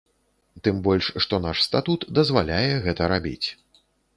Тым больш што наш статут дазваляе гэта рабіць.